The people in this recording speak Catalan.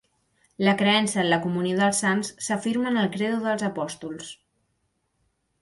La creença en la comunió dels sants s'afirma en el Credo dels Apòstols.